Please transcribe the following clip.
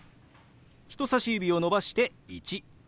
人さし指を伸ばして「１」。